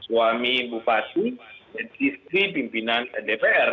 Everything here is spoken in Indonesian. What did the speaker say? suami bupati dan istri pimpinan dpr